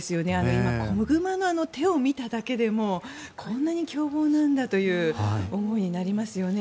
今、子熊の手を見ただけでもこんなに凶暴なんだという思いになりますよね。